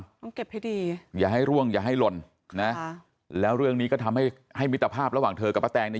ต้องเก็บให้ดีอย่าให้ร่วงอย่าให้หล่นนะแล้วเรื่องนี้ก็ทำให้ให้มิตรภาพระหว่างเธอกับป้าแตงเนี่ย